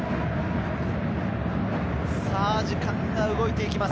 時間が動いていきます。